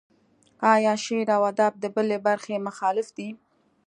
ایا شعر و ادب د بلې برخې مخالف دی.